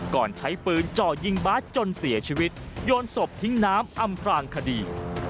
ก่อนใช้ปืนจ่อยิงบาสจนเสียชีวิตโยนศพทิ้งน้ำอำพลางคดี